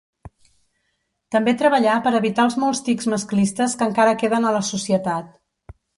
També treballar per evitar els molts tics masclistes que encara queden a la societat.